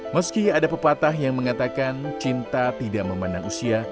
meski ada pepatah yang mengatakan cinta tidak memandang usia